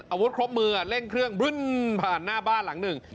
อาวุธครบมือเร่งเครื่องบรึ้นผ่านหน้าบ้านหลังหนึ่ง